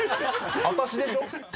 私でしょ？